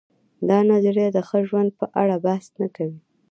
دا نظریه د ښه ژوند په اړه بحث نه کوي.